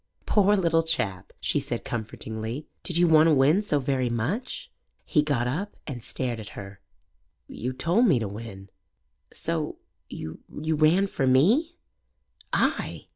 "Poor little chap," she said comfortingly. "Did you want to win so very much?" He got up and stared at her. "Yo' told me to win." "So you ran for me?" "Ay!"